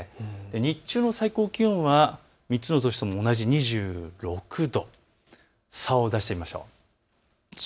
日中の最高気温は３つの都市とも２６度、差を出してみましょう。